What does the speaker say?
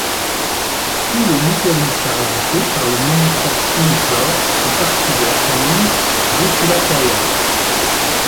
Tous les mycorhizes parasités par le monotrope uniflore font partie de la famille Russulacaea.